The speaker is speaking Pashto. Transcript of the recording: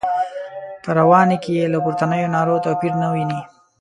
په رواني کې یې له پورتنیو نارو توپیر نه ویني.